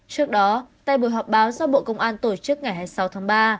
trước đó tại buổi họp báo do bộ công an tổ chức ngày hai mươi sáu tháng ba